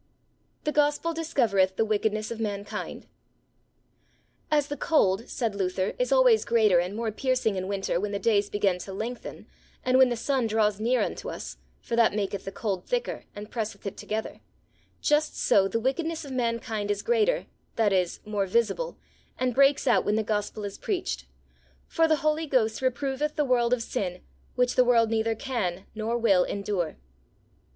The Gospel discovereth the Wickedness of Mankind. As the cold, said Luther, is always greater and more piercing in winter when the days begin to lengthen, and when the sun draws near unto us, for that maketh the cold thicker, and presseth it together: just so the wickedness of mankind is greater, that is, more visible, and breaks out when the Gospel is preached; for the Holy Ghost reproveth the world of sin, which the world neither can nor will endure.